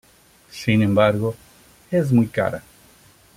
Sin embargo, es muy cara.